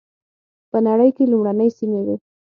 په نړۍ کې لومړنۍ سیمې وې.